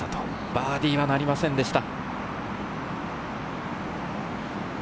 バーディーはなりませんでした。